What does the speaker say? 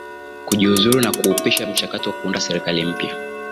kujiuzulu na kuupisha mchakato wa kuunda serikali mpya